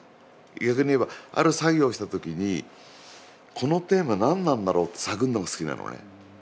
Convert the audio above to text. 逆に言えばある作業をした時にこのテーマ何なんだろうって探んのが好きなのね。